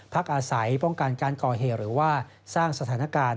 พักอาศัยป้องกันการก่อเหตุหรือว่าสร้างสถานการณ์